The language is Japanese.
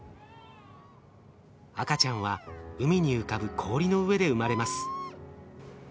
赤ちゃんは海に浮かぶ氷の上で生まれます。